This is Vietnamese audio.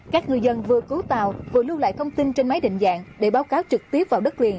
các người dân vừa cứu tàu vừa lưu lại thông tin trên máy định dạng để báo cáo trực tiếp vào đất liền